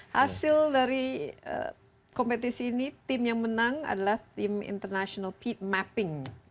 hasil dari kompetisi ini tim yang menang adalah tim international mapping